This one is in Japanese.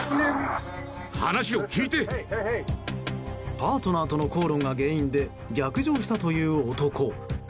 パートナーとの口論が原因で逆上したという男。